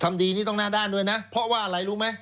ดีนี่ต้องหน้าด้านด้วยนะเพราะว่าอะไรรู้ไหม